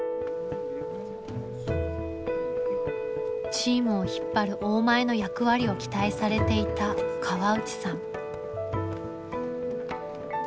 チームを引っ張る「大前」の役割を期待されていた河内さん。